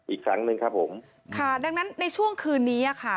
อีกครั้งหนึ่งครับผมค่ะดังนั้นในช่วงคืนนี้อ่ะค่ะ